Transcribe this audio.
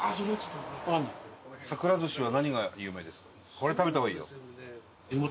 「これは食べた方がいいよ」。